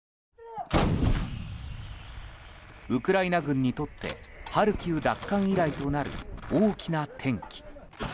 ウクライナ軍にとってハルキウ奪還以来となる大きな転機。